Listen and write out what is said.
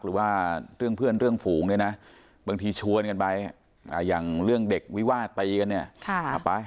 หรือว่าเรื่องเพื่อนเรื่องฝูงเนี่ยนะบางทีชวนกันไปอย่างเรื่องเด็กวิวาดตีกันเนี่ยไป